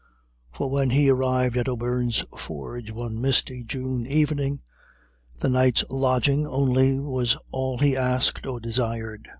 For when he arrived at O'Beirne's forge one misty June evening, the night's lodging only was all he asked or desired.